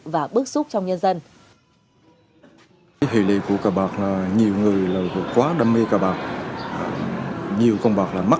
và bức xúc trong nhân dân